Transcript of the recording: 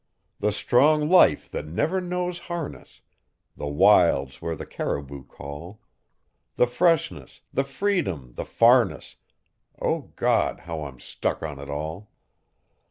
The strong life that never knows harness; The wilds where the caribou call; The freshness, the freedom, the farness O God! how I'm stuck on it all.